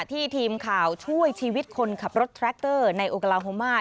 ที่ทีมข่าวช่วยชีวิตคนขับรถแทรคเตอร์ในโอกาลาโฮมา